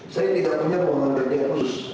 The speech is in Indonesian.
saya tidak punya ruangan kerja khusus